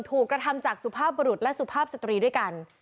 ถูกกระทำจากสุภาพบรุษและสุภาพสตรีด้วยกัน